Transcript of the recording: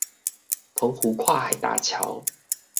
澎湖跨海大橋